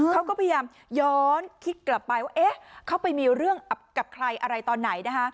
เขาก็พยายามย้อนคิดกลับไปว่าเอ๊ะเขาไปมีเรื่องกับใครอะไรตอนไหนนะคะ